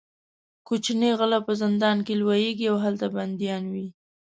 کوچني غله په زندان کې لویېږي او هلته بندیان وي.